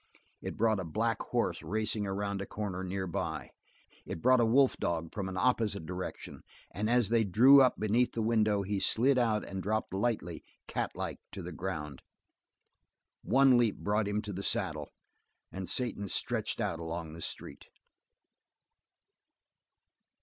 It brought a black horse racing around a corner nearby; it brought a wolf dog from an opposite direction, and as they drew up beneath the window, he slid out and dropped lightly, catlike, to the ground. One leap brought him to the saddle, and Satan stretched out along the street.